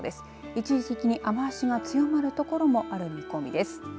一時的に雨足が強まる所もある見込みです。